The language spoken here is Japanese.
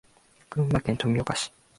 群馬県富岡市